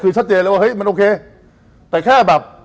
คือชัดเจนทีมันโอเค